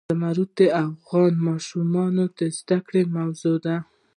زمرد د افغان ماشومانو د زده کړې موضوع ده.